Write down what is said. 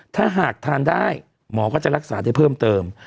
ถ้าหากทานได้หมอก็จะรักษาได้เพิ่มเติม